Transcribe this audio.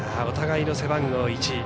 お互いの背番号１。